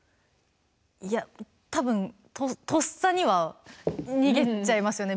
いや多分とっさには逃げちゃいますよね。